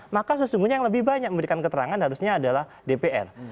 maka sesungguhnya yang lebih banyak memberikan keterangan harusnya adalah dpr